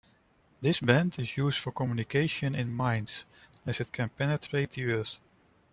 This band is used for communications in mines, as it can penetrate the earth.